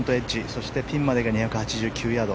そしてピンまでが２８９ヤード。